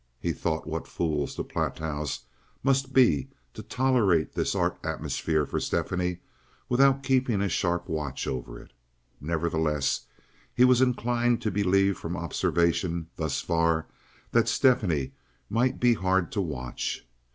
He thought what fools the Platows must be to tolerate this art atmosphere for Stephanie without keeping a sharp watch over it. Nevertheless, he was inclined to believe from observation thus far that Stephanie might be hard to watch.